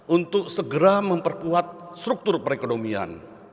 untuk segera memperkuat struktur perekonomian